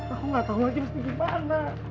aku gak tahu lagi harus pergi ke mana